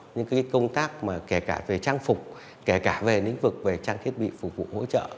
những công tác kể cả về trang phục kể cả về lĩnh vực về trang thiết bị phục vụ hỗ trợ